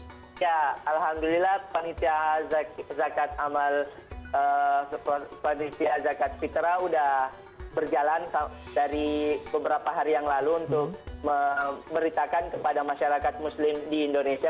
ya alhamdulillah panitia zakat amal panitia zakat fitrah sudah berjalan dari beberapa hari yang lalu untuk memberitakan kepada masyarakat muslim di indonesia